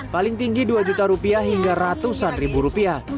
paling tinggi dua juta rupiah hingga ratusan ribu rupiah